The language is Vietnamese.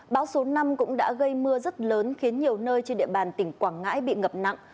bão số năm cũng đã gây mưa rất lớn khiến nhiều nơi trên địa bàn tỉnh quảng ngãi bị ngập nặng